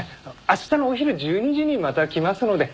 明日のお昼１２時にまた来ますので。